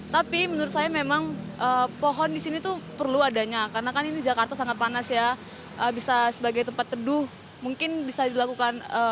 tapi menurut saya memang pohon di sini tuh perlu adanya karena kan ini jakarta sangat panas ya bisa sebagai tempat teduh mungkin bisa dilakukan